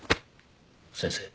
先生